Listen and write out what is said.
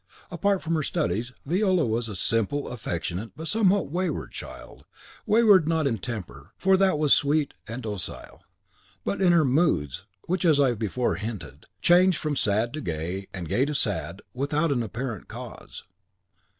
Apart from her studies, Viola was a simple, affectionate, but somewhat wayward child, wayward, not in temper, for that was sweet and docile; but in her moods, which, as I before hinted, changed from sad to gay and gay to sad without an apparent cause.